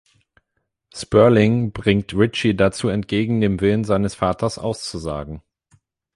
Sperling bringt Richie dazu entgegen dem Willen seines Vaters auszusagen.